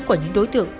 của những đối tượng